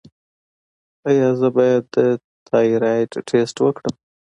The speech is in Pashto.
ایا زه باید د تایرايډ ټسټ وکړم؟